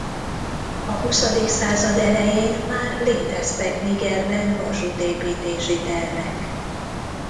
A huszadik század elején már léteztek Nigerben vasútépítési tervek.